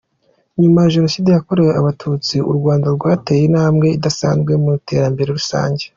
Nyuma ya Jenoside yakorewe Abatutsi, u Rwanda rwateye intambwe idasanzwe mu iterambere rusange.